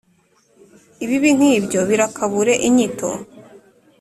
Ibibi nk’ibyo birakabure inyito